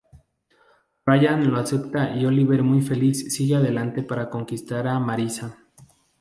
Ryan lo acepta y Oliver muy feliz sigue adelante para conquistar a Marissa.